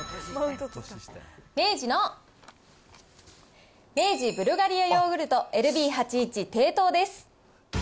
明治の明治ブルガリアヨーグルトＬＢ８１低糖です。